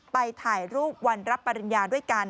ไปถ่ายรูปวันรับปริญญาด้วยกัน